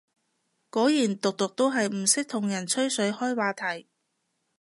果然毒毒都係唔識同人吹水開話題